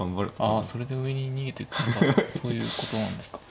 あそれで上に逃げてったのはそういうことなんですか。